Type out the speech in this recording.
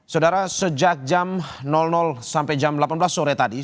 saudara sejak jam sampai jam delapan belas sore tadi